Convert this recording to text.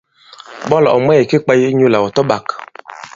Ɓɔlà ɔ̀ mwɛ̂s ki kwāye inyūlà ɔ̀ tɔ-ɓāk.